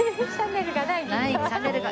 ないシャネルが。